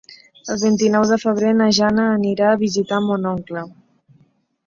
El vint-i-nou de febrer na Jana anirà a visitar mon oncle.